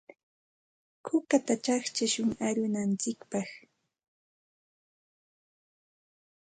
Kukata chaqchashun arunantsikpaq.